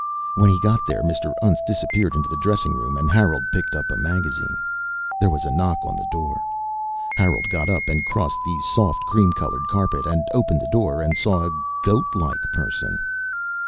When he got there Mr. Untz disappeared into the dressing room and Harold picked up a magazine. There was a knock on the door. Harold got up and crossed the soft cream colored carpet and opened the door and saw a goat like person.